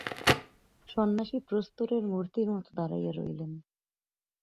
সন্ন্যাসী প্রস্তরের মূর্তির মতো দাঁড়াইয়া রহিলেন।